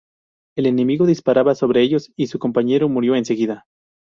El enemigo disparaba sobre ellos y su compañero murió enseguida.